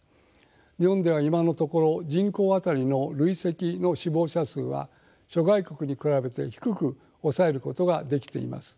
日本では今のところ人口あたりの累積の死亡者数は諸外国に比べて低く抑えることができています。